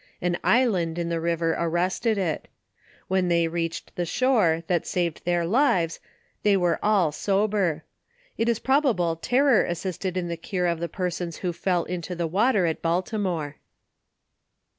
An island in the river arrested it. When they reached the shore that saved their lives, they were all sober. It is probable terror assisted in the cure of the persons who fell into the water at Baltimore.